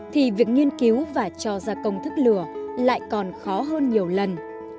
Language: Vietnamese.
thì việc nghiên cứu và cho ra công thức lửa lại còn khó hơn nhiều lần